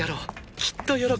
きっと喜ぶ。